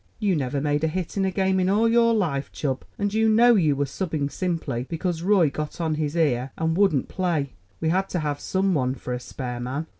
You never made a hit in a game in all your life, Chub, and you know you were subbing simply because Roy got on his ear and wouldn't play. We had to have some one for a spare man."